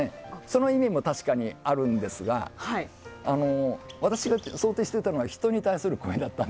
その意味も確かにありますが私が想定していたのは人に対する恋でした。